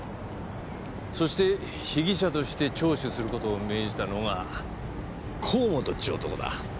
そして被疑者として聴取する事を命じたのが河本っちゅう男だ。